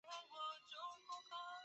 之后左派的影响力逐渐壮大。